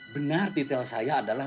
benar titel saya adalah